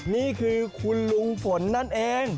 นี่คือคุณลุงฝนนั่นเอง